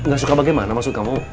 gak suka bagaimana maksud kamu